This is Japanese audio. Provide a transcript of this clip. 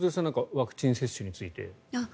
ワクチン接種について。